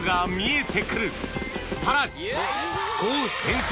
［さらに］